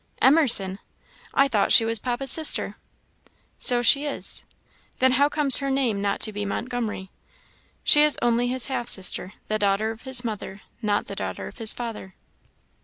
"Emerson! I thought she was papa's sister!" "So she is." "Then how comes her name not to be Montgomery?" "She is only his half sister the daughter of his mother, not the daughter of his father."